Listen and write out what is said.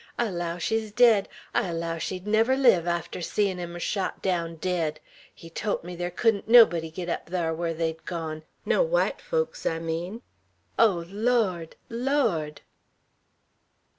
I allow she's dead! I allow she'd never live arter seein' him shot down dead! He tolt me thar couldn't nobody git up thar whar they'd gone; no white folks, I mean. Oh, Lawd, Lawd!"